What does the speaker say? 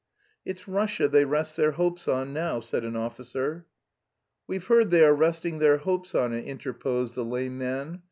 "It's Russia they rest their hopes on now," said an officer. "We've heard they are resting their hopes on it," interposed the lame man.